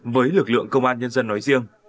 với lực lượng công an nhân dân nói riêng